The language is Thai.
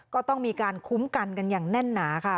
ก็ต้องมีการคุ้มกันกันอย่างแน่นหนาค่ะ